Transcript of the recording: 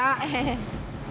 mau kemana neng